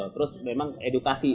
terus memang edukasi